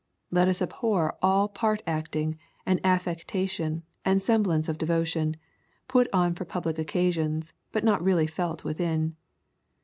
Let us abhor all part acting, and affecta tion, and semblance of devotion, put on for public oc casions, but not really felt within.